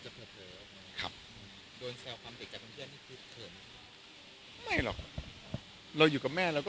คือจะเพลินเพลินครับโดนแซวความเด็กกับไม่หรอกเราอยู่กับแม่เราก็